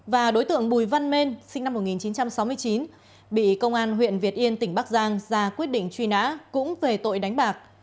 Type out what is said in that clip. và đối tượng bùi văn men sinh năm một nghìn chín trăm sáu mươi chín bị công an huyện việt yên tỉnh bắc giang ra quyết định truy nã cũng về tội đánh bạc